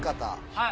はい。